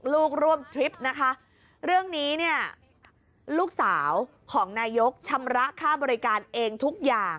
ร่วมทริปนะคะเรื่องนี้เนี่ยลูกสาวของนายกชำระค่าบริการเองทุกอย่าง